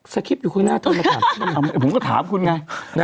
สกิปอยู่ข้างหน้าเท่านั้นผมก็ถามคุณไง